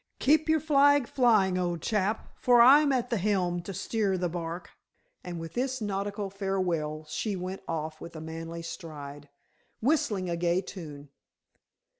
Keep your flag flying, old chap, for I'm at the helm to steer the bark." And with this nautical farewell she went off with a manly stride, whistling a gay tune.